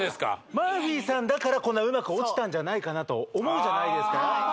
マーフィーさんだからうまく落ちたんじゃないかと思うじゃないですか